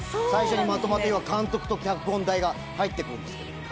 最初にまとまった要は監督と脚本代が入ってくるんですけど。